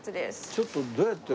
ちょっとどうやって。